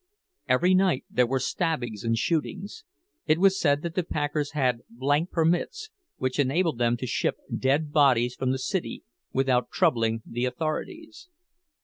Every night there were stabbings and shootings; it was said that the packers had blank permits, which enabled them to ship dead bodies from the city without troubling the authorities.